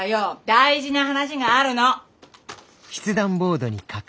大事な話があるの。